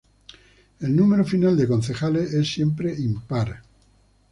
El número final de concejales es siempre impar.